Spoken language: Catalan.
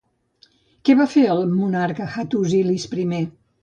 Què va fer el monarca Hattusilis I?